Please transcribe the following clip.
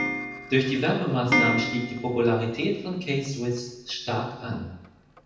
Durch die Werbemaßnahmen stieg die Popularität von K-Swiss stark an.